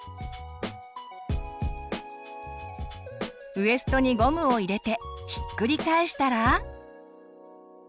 ウエストにゴムを入れてひっくり返したら。